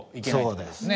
そうです。